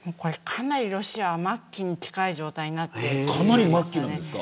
かなりロシアは末期に近い状態になっていると思います。